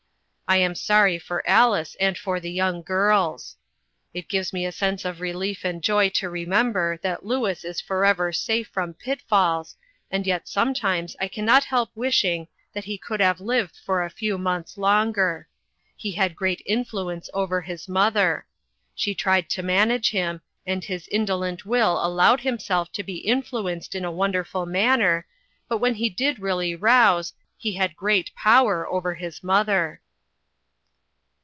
I am sorry for Alice and for the young girls. It gives me a sense of relief and joy to remember that Louis is forever safe from pitfalls, and yet sometimes I can not help wishing that he could have lived for a few months longer. He had great influence over his mother. She tried to manage him, and his indolent will allowed himself to be influenced in a INTERRUPTED. wonderful manner, but when he did really rouse, he had greal power over his mother."